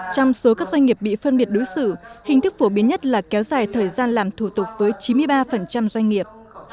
trong số các doanh nghiệp bị phân biệt đối xử hình thức phổ biến nhất là kéo dài thời gian làm thủ tục với chín mươi ba doanh nghiệp